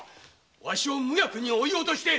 わしを無役に追い落として。